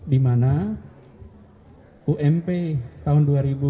di mana ump tahun dua ribu dua puluh